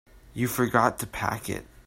You forgot to pack it.